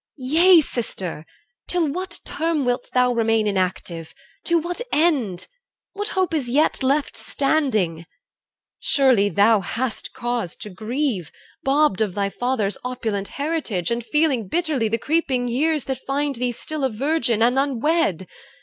Yea, sister! Till what term wilt thou remain Inactive? To what end? What hope is yet Left standing? Surely thou hast cause to grieve, Bobbed of thy father's opulent heritage, And feeling bitterly the creeping years That find thee still a virgin and unwed.